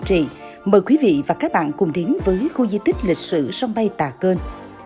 xin chào các bạn cùng đến với khu di tích lịch sử sông bay tà cơn